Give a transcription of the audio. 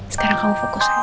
sekarang kamu fokus aja